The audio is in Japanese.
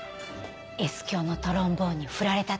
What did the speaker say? Ｓ響のトロンボーンにフラれたって。